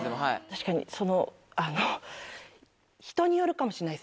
確かにそのあの。人によるかもしれない？